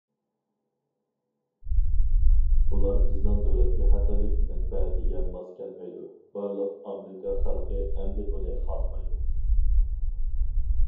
بۇلار بىزنىڭ دۆلەت بىخەتەرلىك مەنپەئەتىگە ماس كەلمەيدۇ، بارلىق ئامېرىكا خەلقى ئەمدى بۇنى خالىمايدۇ.